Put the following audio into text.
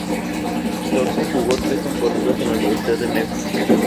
Dorsey jugó tres temporadas en la Universidad de Memphis.